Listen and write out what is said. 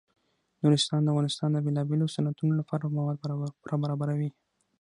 نورستان د افغانستان د بیلابیلو صنعتونو لپاره مواد پوره برابروي.